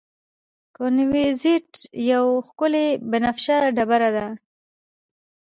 کونزیټ یوه ښکلې بنفشه ډبره ده.